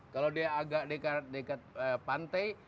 kalau dia agak dekat pantai